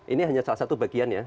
ini hanya salah satu bagian ya